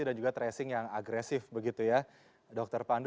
dan juga tracing yang agresif begitu ya dokter pandu